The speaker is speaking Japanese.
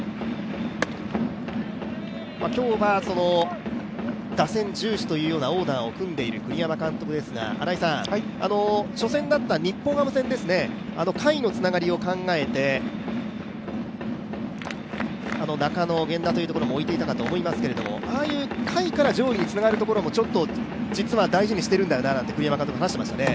今日は打線重視というオーダーを組んでいる栗山監督ですが初戦だった日本ハム戦、下位のつながりを考えて、中野、源田というところを置いていたと思いますけどああいう下位から上位につながるところも実は大事にしているんだよななんて栗山監督は話していましたよね。